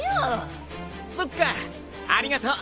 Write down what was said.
そっかありがとう！